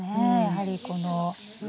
やはりこの。